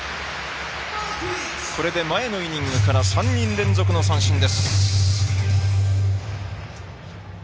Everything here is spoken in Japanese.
これで前のイニングから３人連続の三振です。